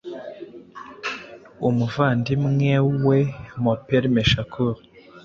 umuvandimwee we Mopreme Shakur,